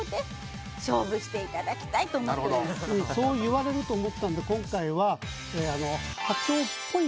そう言われると思ったんで今回は。